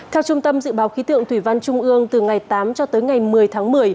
theo trung tâm dự báo khí tượng thủy văn trung ương từ ngày tám cho tới ngày một mươi tháng một mươi